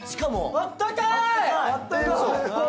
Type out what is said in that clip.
あったかい！